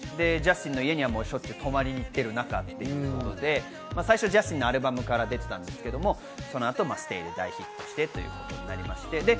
ジャスティンの家にはしょっちゅう泊まりに行っている中だということで、ジャスティンのアルバムから出てたんですけど、そのあと『ＳＴＡＹ』で大ヒットしてということになりました。